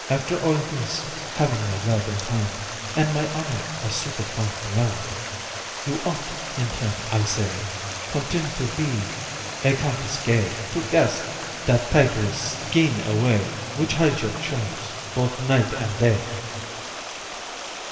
After all this, having my love in hand, And my honour, of superfine brand, You ought, in turn, I say, Content to be a countess gay, To cast that tigress' skin away, Which hides your charms both night and day."